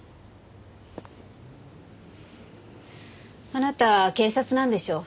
あなた警察なんでしょう？